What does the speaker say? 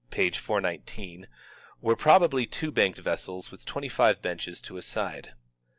419) were probably two banked vessels with twenty five benches to a side.